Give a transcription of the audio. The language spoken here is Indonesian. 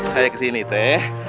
saya ke sini teh